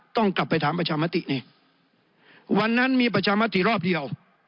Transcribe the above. ต้องกลับไปถามประชามตินี่วันนั้นมีประชามติรอบเดียว